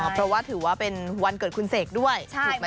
เพราะว่าถือว่าเป็นวันเกิดคนเสกด้วย